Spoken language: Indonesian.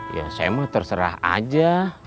ya saya mah terserah aja